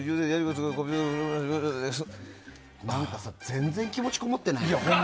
全然、気持ちこもってないね。